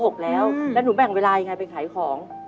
แล้วหนูแบ่งเวลายังไงไปขายของ